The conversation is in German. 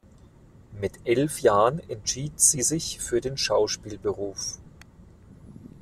Mit elf Jahren entschied sie sich für den Schauspielberuf.